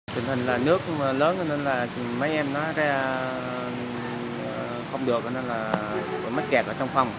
trình hình là nước lớn nên là mấy em nó ra không được nên là mất kẹt ở trong phòng